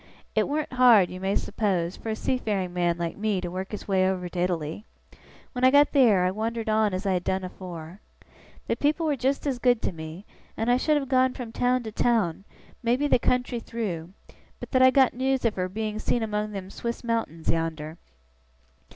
It warn't hard, you may suppose, for a seafaring man like me to work his way over to Italy. When I got theer, I wandered on as I had done afore. The people was just as good to me, and I should have gone from town to town, maybe the country through, but that I got news of her being seen among them Swiss mountains yonder.